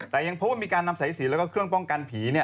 แต่ยังพบว่ามีการนำสายสินแล้วก็เครื่องป้องกันผี